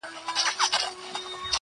او د چڼچڼو شورماشور کي به د زرکو آواز.!